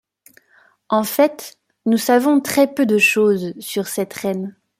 En fait, nous savons très peu de choses sur cette reine.